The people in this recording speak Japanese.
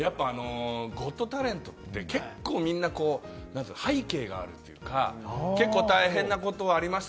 『ゴット・タレント』ってみんな背景があるというか、大変なことがありました。